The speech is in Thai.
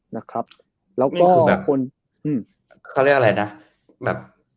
นี่คือแบบเขาเรียกอะไรนะ